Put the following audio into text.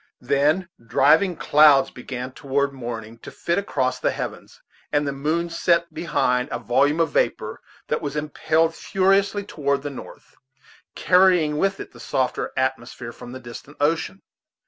Then driving clouds began toward morning to flit across the heavens, and the moon set behind a volume of vapor that was impelled furiously toward the north, carrying with it the softer atmosphere from the distant ocean.